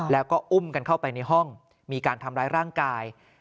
แล้วก็อุ้มกันเข้าไปในห้องมีการทำร้ายร่างกาย